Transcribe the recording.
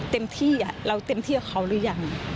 เต็มที่เราเต็มที่กับเขาหรือยัง